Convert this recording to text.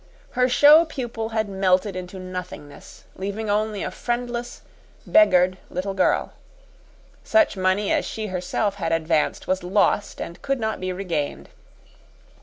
Her show pupil had melted into nothingness, leaving only a friendless, beggared little girl. Such money as she herself had advanced was lost and could not be regained.